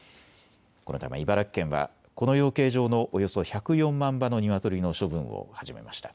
このため茨城県はこの養鶏場のおよそ１０４万羽のニワトリの処分を始めました。